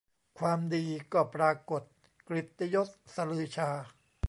ความดีก็ปรากฎ กฤติยศฤๅชา